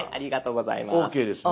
「ＯＫ」ですね？